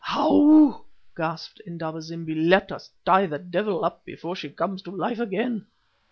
"Ou!" gasped Indaba zimbi. "Let us tie the devil up before she comes to life again."